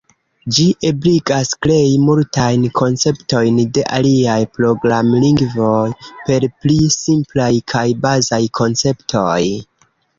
Ĝi ebligas krei multajn konceptojn de aliaj programlingvoj per pli simplaj kaj bazaj konceptoj.